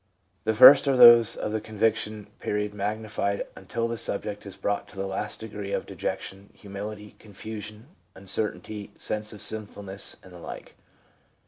The first are those of the conviction period magnified until the subject is brought to the last degree of dejec tion, humility, confusion, uncertainty, sense of sinfulness, and the like.